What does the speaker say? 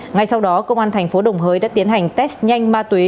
ngay sau đó công an thành phố đồng hới đã tiến hành test nhanh ma túy